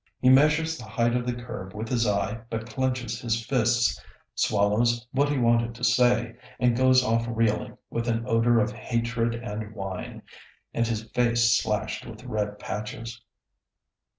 He measures the height of the curb with his eye, but clenches his fists, swallows what he wanted to say, and goes off reeling, with an odor of hatred and wine, and his face slashed with red patches.